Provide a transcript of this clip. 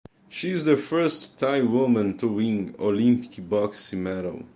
She is the first Thai woman to win an Olympic boxing medal.